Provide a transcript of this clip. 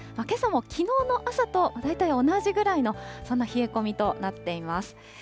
けさもきのうの朝と大体同じぐらいのそんな冷え込みとなっています。